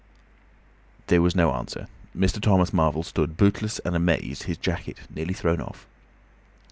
There was no answer. Mr. Thomas Marvel stood bootless and amazed, his jacket nearly thrown off.